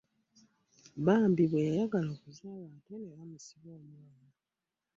Bambi bwe yayagala okuzaala ate ne bamusiba omwana.